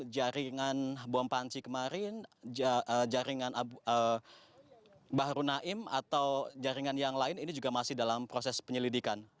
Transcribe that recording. jaringan bom panci kemarin jaringan bahru naim atau jaringan yang lain ini juga masih dalam proses penyelidikan